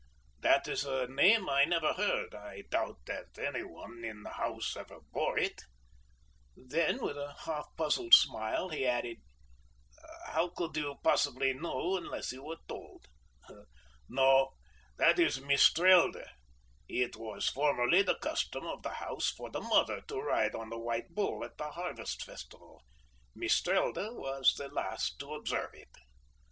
That is a name I never heard; I doubt that any one in the house ever bore it." Then, with a half puzzled smile, he added: "How could you possibly know unless you were told? No, that is Mistrelde. It was formerly the custom of the house for the Mother to ride on a white bull at the harvest festival. Mistrelde was the last to observe it."